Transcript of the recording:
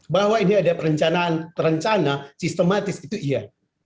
bahwa ini ada perencanaan terencana sistematis itu iya